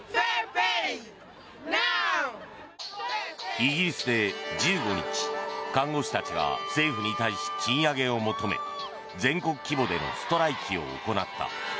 イギリスで１５日看護師たちが政府に対し賃上げを求め全国規模でのストライキを行った。